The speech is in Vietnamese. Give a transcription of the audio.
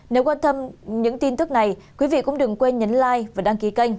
nếu quan tâm những tin tức này quý vị cũng đừng quên nhấn like và đăng ký kênh